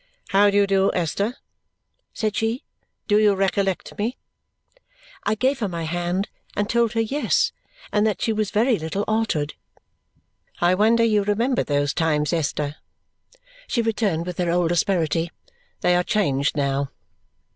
"How do you do, Esther?" said she. "Do you recollect me?" I gave her my hand and told her yes and that she was very little altered. "I wonder you remember those times, Esther," she returned with her old asperity. "They are changed now.